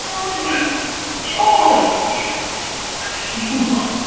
锡巴是位于美国亚利桑那州马里科帕县的一个人口普查指定地区。